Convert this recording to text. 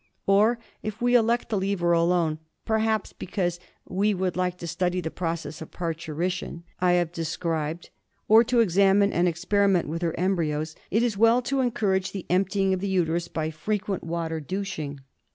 Or, if we elect to leave her alone — perhaps because we would like to study the process of parturition I have described, or to examine and experiment with her embryos — it is well to encourage the emptying of the uterus by frequent water douching.